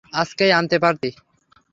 আজকেই আনতে পারতি।